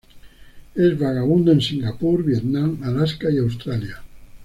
Es vagabundo en Singapur, Vietnam, Alaska y Australia.